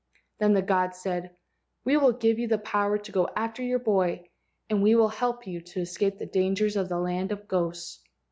Then the gods said, "We will give you the power to go after your boy and we will help you to escape the dangers of the land of ghosts."